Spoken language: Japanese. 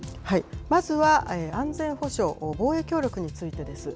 まずは安全保障・防衛協力についてです。